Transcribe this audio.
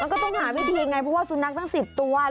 ก็ต้องหาวิธีไงเพราะว่าสุนัขตั้ง๑๐ตัว